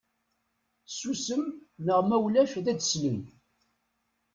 Ssusem neɣ ma ulac ad d-slen.